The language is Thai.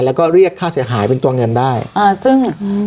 แล้วก็เรียกค่าเสียหายเป็นตัวเงินได้อ่าซึ่งอืม